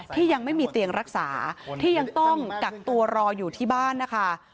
ยังไม่มีเตียงรักษาที่ยังต้องกักตัวรออยู่ที่บ้านนะคะ